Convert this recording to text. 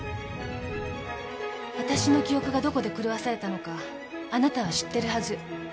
あたしの記憶がどこで狂わされたのかあなたは知ってるはず。